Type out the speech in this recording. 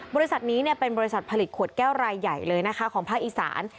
บริษัทนี้เป็นบริษัทผลิตขวดแก้วรายใหญ่เลยนะคะของภาคอีสาน